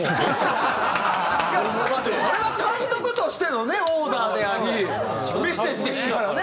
それは監督としてのねオーダーでありメッセージですからね。